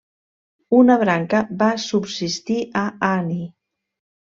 Una branca va subsistir a Ani.